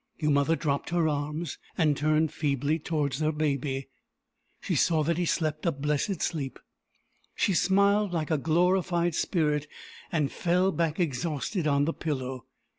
Your mother dropped her arms, and turned feebly towards her baby. She saw that he slept a blessed sleep. She smiled like a glorified spirit, and fell back exhausted on the pillow.